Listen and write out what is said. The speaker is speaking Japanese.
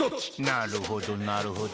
なるほどなるほど。